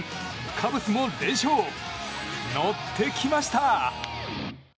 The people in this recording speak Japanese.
カブスも連勝、乗ってきました！